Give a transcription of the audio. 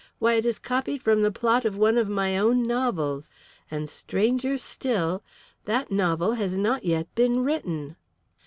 Why, it is copied from the plot of one of my own novels. And, stranger still, that novel has not yet been written!"